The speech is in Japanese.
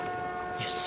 よし。